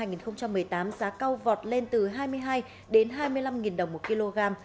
năm hai nghìn một mươi tám giá câu vọt lên từ hai mươi hai đến hai mươi năm đồng một kg